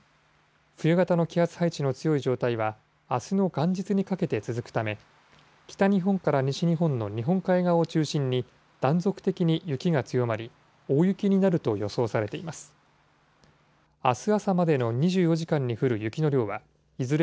冬型の気圧配置の強い状態は、あすの元日にかけて続くため、北日本から西日本の日本海側を中心に、断続的に雪が強まり、大雪になると予想されています。